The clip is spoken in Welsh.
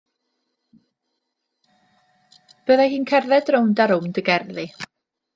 Byddai hi'n cerdded rownd a rownd y gerddi.